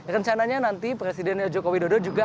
dengan kunjungan bilateral atau pertemuan bilateral di istana bogor